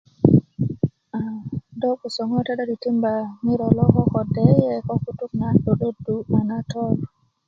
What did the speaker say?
a do gboso ŋote do titimba ko ŋero lo ko ko deyiye kutuk na 'do'dodu na tor